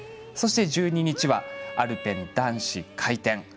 そして１２日はアルペン男子回転。